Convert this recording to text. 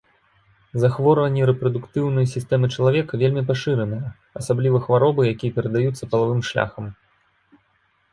Захворванні рэпрадуктыўнай сістэмы чалавека вельмі пашыраныя, асабліва хваробы, якія перадаюцца палавым шляхам.